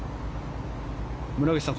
村口さん